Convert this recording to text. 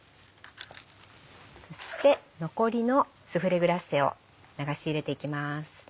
そして残りのスフレグラッセを流し入れていきます。